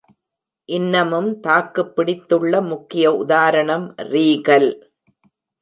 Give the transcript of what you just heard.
இன்னமும் தாக்கு பிடித்துள்ள முக்கிய உதாரணம் ரீகல்.